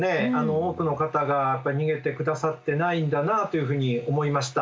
多くの方が逃げて下さってないんだなというふうに思いました。